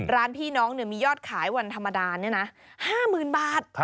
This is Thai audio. ร้านพี่น้องเนี่ยมียอดขายวันธรรมดานเนี่ยนะ๕๐๐๐๐บาท